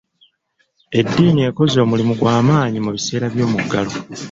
Edddiini ekoze omulimu gwa maanyi mu biseera by'omuggalo.